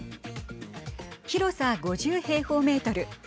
広さ５０平方メートル。